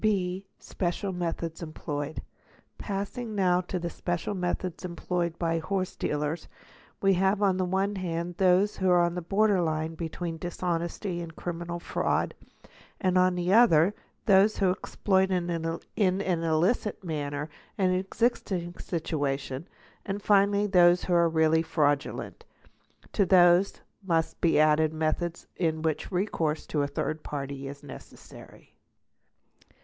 B. Special Methods Employed. Passing now to the special methods employed by horse dealers, we have on the one hand those which are on the border line between dis honesty and criminal fraud, and on the other those which exploit in an illicit manner an existing situation, and finally those which are really fraudulent ; to these must be added methods in which recourse to a — third party is necessary.